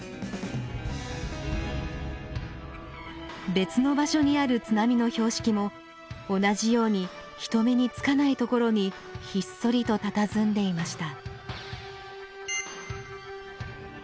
別の場所にある津波の標識も同じように人目につかないところにひっそりとたたずんでいました。